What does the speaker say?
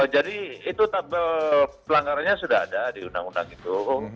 jadi itu tabel pelanggarannya sudah ada di undang undang itu